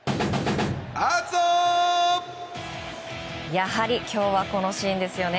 やはり今日はこのシーンですよね。